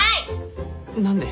何で？